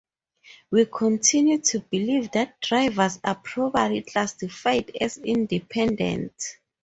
We continue to believe that drivers are properly classified as independent.